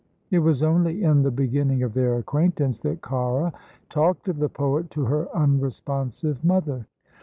It was only in the beginning of their acquaintance that Cara talked of the poet to her unresponsive mother.